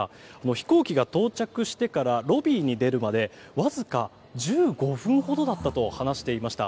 飛行機が到着してからロビーに出るまでわずか１５分ほどだったと話していました。